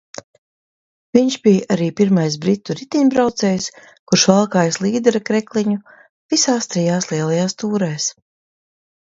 Viņš bija arī pirmais britu riteņbraucējs, kurš valkājis līdera krekliņu visās trijās Lielajās tūrēs.